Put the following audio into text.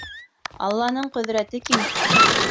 Алланың ҡөҙрәте киң.